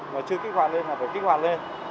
mà chưa kích hoạt lên mà phải kích hoạt lên